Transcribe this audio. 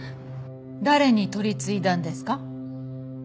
誰に取り次いだんですか？